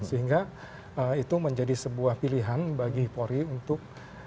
sehingga itu menjadi sebuah pilihan bagi polri untuk